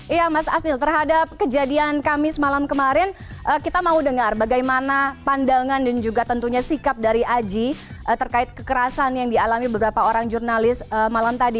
iya mas asnil terhadap kejadian kamis malam kemarin kita mau dengar bagaimana pandangan dan juga tentunya sikap dari aji terkait kekerasan yang dialami beberapa orang jurnalis malam tadi